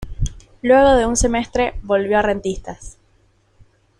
Luego de un semestre, volvió a Rentistas.